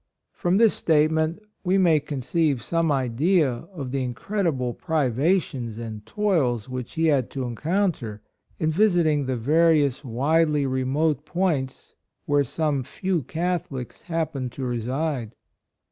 — From this statement we may con ceive some idea of the incredible privations and toils which he had to encounter in visiting the various 48 MISSIONARY CAREER, widely remote points where some few Catholics happened to reside.